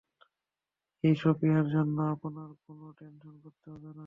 এই সপাহীর জন্য আপনার কোনো টেনশন করতে হবে না।